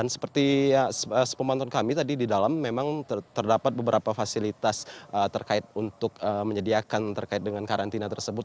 seperti sepemantauan kami tadi di dalam memang terdapat beberapa fasilitas terkait untuk menyediakan terkait dengan karantina tersebut